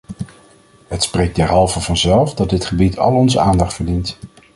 Het spreekt derhalve vanzelf dat dit gebied al onze aandacht verdient.